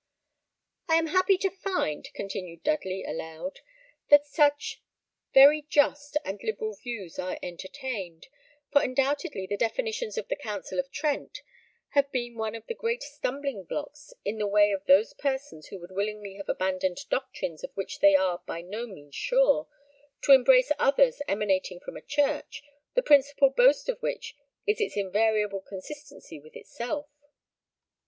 "I am happy to find," continued Dudley, aloud, "that such very just and liberal views are entertained; for undoubtedly the definitions of the Council of Trent have been one of the great stumbling blocks in the way of those persons who would willingly have abandoned doctrines of which they are by no means sure, to embrace others emanating from a church, the principal boast of which is its invariable consistency with itself."